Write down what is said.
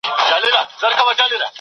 ساینسي حقایق د بدلېدو نه دي.